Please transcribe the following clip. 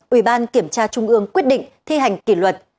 ủy ban kiểm tra trung ương quyết định thi hành kỷ luật